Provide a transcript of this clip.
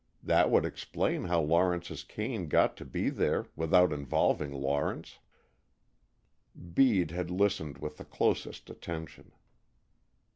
That would explain how Lawrence's cane got to be there, without involving Lawrence." Bede had listened with the closest attention.